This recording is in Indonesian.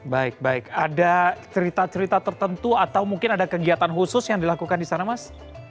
baik baik ada cerita cerita tertentu atau mungkin ada kegiatan khusus yang dilakukan di sana mas